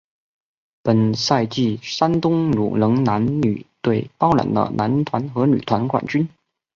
本赛季山东鲁能男女队包揽了男团和女团冠军。